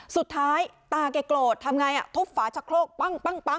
สุดท้ายตาแกโกรธทำไงทุบฝาชะโครกปั้ง